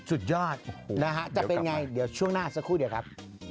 สุดยอดนะฮะจะเป็นไงเดี๋ยวช่วงหน้าสักครู่เดี๋ยวครับ